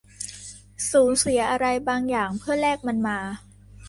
สูญเสียอะไรบางอย่างเพื่อแลกมันมา